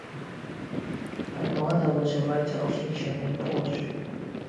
Her mother was a writer of fiction and poetry.